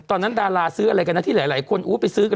ตอนนั้นดาราซื้ออะไรกันนะที่หลายคนไปซื้อ